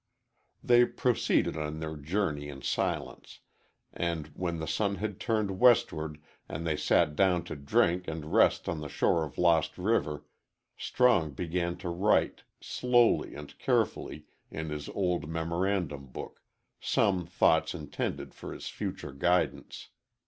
They proceeded on their journey in silence, and, when the sun had turned westward and they sat down to drink and rest on the shore of Lost River, Strong began to write, slowly and carefully, in his old memorandum book, some thoughts intended for his future guidance.